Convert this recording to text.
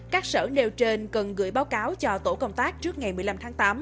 các sở nêu trên cần gửi báo cáo cho tổ công tác trước ngày một mươi năm tháng tám